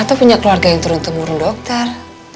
atau punya keluarga yang turun temurun dokter